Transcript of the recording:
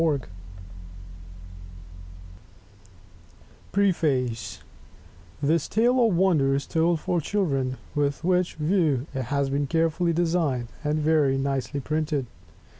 1860. PREFACE This tale of wonder is told for children; with which view, it has been carefully designed and very nicely printed.